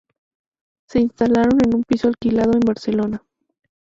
Se instalaron en un piso alquilado en Barcelona.